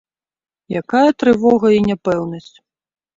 Якая трывога і няпэўнасць!